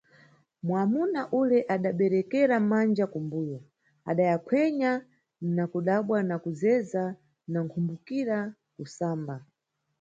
Mwamuna ule adaberekera manja ku mbuyo, adayakhwenya na kudabwa na kuzeza na nkhumbukira, kusamba.